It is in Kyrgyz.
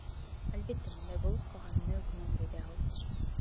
Албетте, мындай болуп калганына өкүнөм, — деди ал.